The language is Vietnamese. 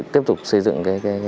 tiếp tục xây dựng